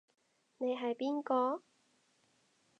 你係邊個？